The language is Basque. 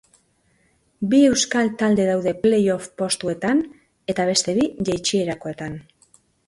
Bi euskal talde daude play-off postuetan eta beste bi jaitsierakoetan.